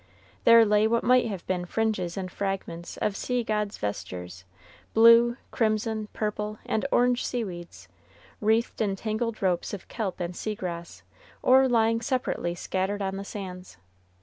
There lay what might have been fringes and fragments of sea gods' vestures, blue, crimson, purple, and orange seaweeds, wreathed in tangled ropes of kelp and sea grass, or lying separately scattered on the sands.